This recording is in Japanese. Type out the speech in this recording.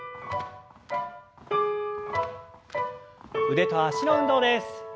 腕と脚の運動です。